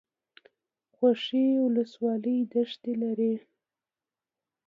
خوشي ولسوالۍ دښتې لري؟